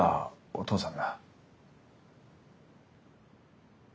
お父さん。